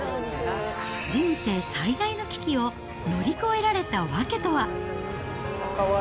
人生最大の危機を乗り越えられた訳とは。